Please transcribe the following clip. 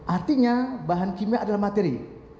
artinya bahan kimia adalah materi